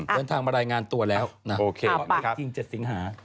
เดินทางมารายงานตัวแล้วนะโอเคจริง๗สิงหา